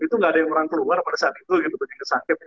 itu gak ada yang orang keluar pada saat itu gitu jadi kesakit